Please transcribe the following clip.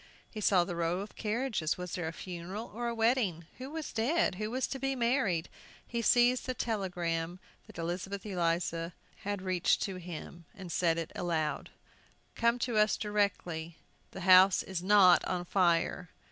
He saw the row of carriages. Was there a funeral, or a wedding? Who was dead? Who was to be married? He seized the telegram that Elizabeth Eliza reached to him, and read it aloud. "Come to us directly the house is NOT on fire!"